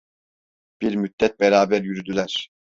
Bir müddet beraber yürüdüler.